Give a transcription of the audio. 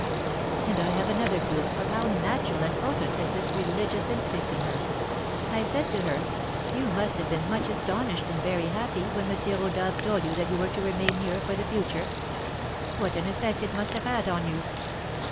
And I have another proof of how natural and potent is this religious instinct in her. I said to her, 'You must have been much astonished, and very happy, when M. Rodolph told you that you were to remain here for the future? What an effect it must have had on you!'